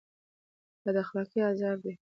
بد اخلاقي عذاب دی